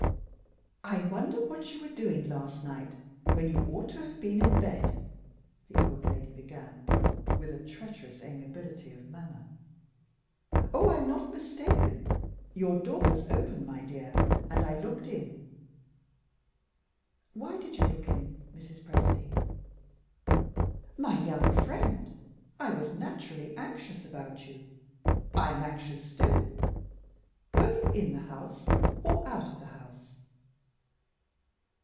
"I wonder what you were doing last night, when you ought to have been in bed?" the old lady began, with a treacherous amiability of manner. "Oh, I am not mistaken! your door was open, my dear, and I looked in." "Why did you look in, Mrs. Presty?" "My young friend, I was naturally anxious about you. I am anxious still. Were you in the house? or out of the house?"